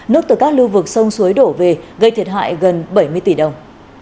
nước từ các lưu vực sông suối đổ về gây thiệt hại gần bảy mươi tỷ đồng